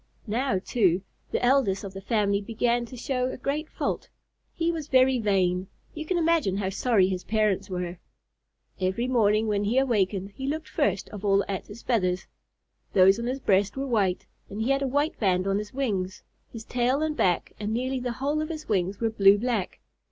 Now, too, the eldest of the family began to show a great fault. He was very vain. You can imagine how sorry his parents were. Every morning when he awakened he looked first of all at his feathers. Those on his breast were white, and he had a white band on his wings. His tail and back and nearly the whole of his wings were blue black.